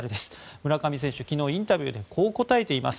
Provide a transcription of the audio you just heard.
村上選手、昨日インタビューにこう答えています。